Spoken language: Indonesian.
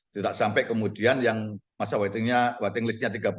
tidak sampai kemudian yang masa waiting listnya tiga puluh empat tahun menjadi dua puluh empat tahun